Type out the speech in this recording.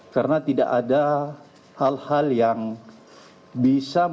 karena tidak ada hal hal yang bisa memudahkan